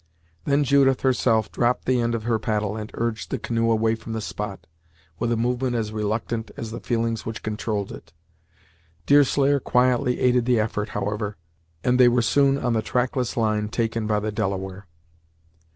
Then Judith, herself, dropped the end of her paddle, and urged the canoe away from the spot, with a movement as reluctant as the feelings which controlled it. Deerslayer quietly aided the effort, however, and they were soon on the trackless line taken by the Delaware.